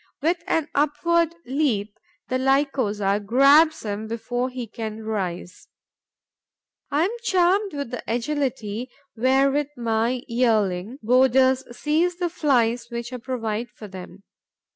With an upward leap, the Lycosa grabs him before he can rise. I am charmed with the agility wherewith my yearling boarders seize the Flies which I provide for them.